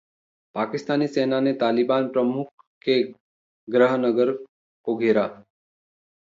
पाकिस्तानी सेना ने तालिबान प्रमुख के गृह नगर को घेरा